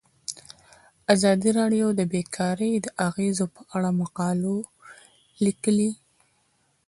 ازادي راډیو د بیکاري د اغیزو په اړه مقالو لیکلي.